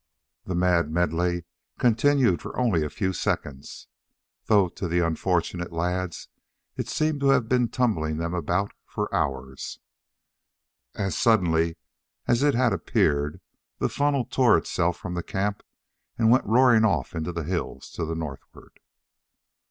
The mad medley continued for only a few seconds, though to the unfortunate lads it seemed to have been tumbling them about for hours. As suddenly as it had appeared the funnel tore itself from the camp and went roaring off into the hills to the northward.